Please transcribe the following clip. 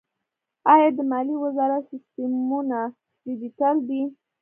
آیا د مالیې وزارت سیستمونه ډیجیټل دي؟